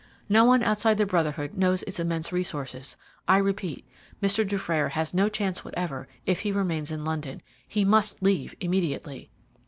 No one outside the Brotherhood knows its immense resources. I repeat, Mr. Dufrayer has no chance whatever if he remains in London; he must leave immediately."